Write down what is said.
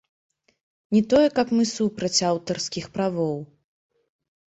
Не тое, каб мы супраць аўтарскіх правоў.